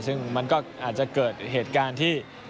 ซึ่งมันก็อาจจะเกิดเหตุการณ์ที่